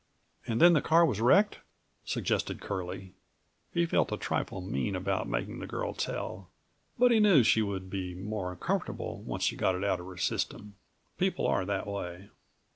"And then the car was wrecked?" suggested Curlie. He felt a trifle mean about making the girl tell, but he knew she would be more comfortable once she got it out of her system. People are that way.